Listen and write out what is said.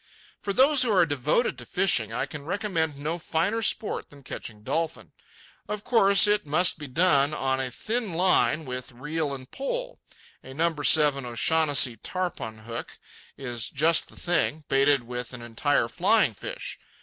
For those who are devoted to fishing, I can recommend no finer sport than catching dolphin. Of course, it must be done on a thin line with reel and pole. A No. 7, O'Shaughnessy tarpon hook is just the thing, baited with an entire flying fish.